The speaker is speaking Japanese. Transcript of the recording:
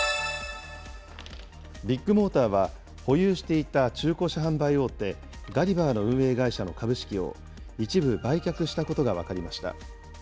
ビッグモーターは、保有していた中古車販売大手、ガリバーの運営会社の株式を一部売却したことが分かりました。